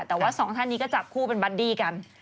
แต่ว่าสองท่านนี้ก็จับคู่เป็นบัดดี้กัน